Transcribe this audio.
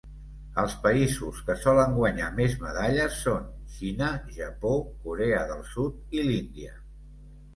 Els països que solen guanyar més medalles són Xina, Japó, Corea del Sud i l'Índia.